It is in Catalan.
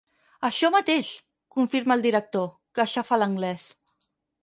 Això mateix! —confirma el director, que xafa l'anglès.